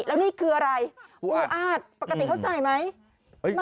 แล้วนี่คืออะไรปูอาดปกติเขาใส่ไหม